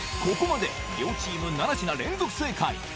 ここまで両チーム７品連続正解